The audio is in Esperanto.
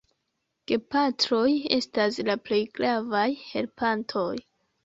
Gepatroj estas la plej gravaj helpantoj.